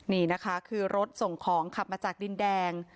นี่นะคะคือรถส่งของขับมาจากดินแดง